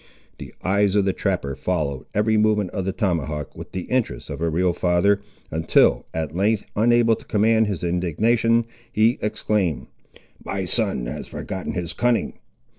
The eyes of the trapper, followed every movement of the tomahawk, with the interest of a real father, until at length, unable to command his indignation, he exclaimed— "My son has forgotten his cunning.